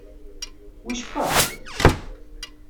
Wicqa?